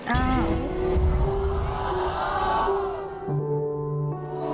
อ้าว